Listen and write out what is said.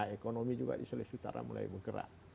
ekonomi juga di sulawesi utara mulai menggerak